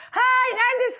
何ですか？」